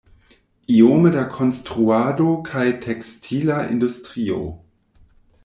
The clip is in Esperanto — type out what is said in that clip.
Iome da konstruado kaj tekstila industrio.